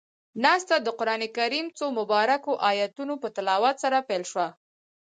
ناسته د قرآن کريم څو مبارکو آیتونو پۀ تلاوت سره پيل شوه.